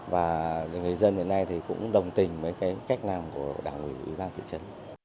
và người dân đến nay cũng đồng tình với cách làm của đảng ủy ban thị trấn